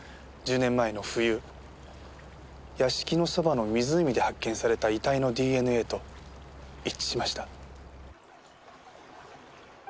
１０年前の冬屋敷のそばの湖で発見された遺体のＤＮＡと一致しました。